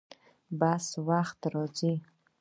بس څه وخت راځي؟